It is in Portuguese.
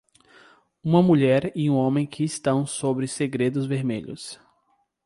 Uma mulher e um homem que estão sobre segredos vermelhos.